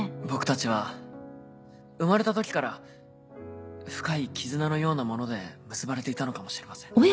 僕たちは生まれた時から深い絆のようなもので結ばれていたのかもしれません。